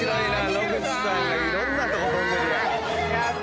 野口さんがいろんなとこ飛んでるやん。